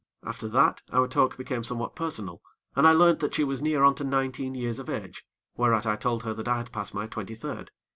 After that, our talk became somewhat personal, and I learnt that she was near on to nineteen years of age, whereat I told her that I had passed my twenty third.